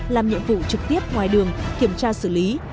làm nhiệm vụ trực tiếp ngoài đường kiểm tra xử lý